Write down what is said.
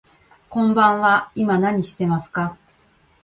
こんばんは、今何してますか。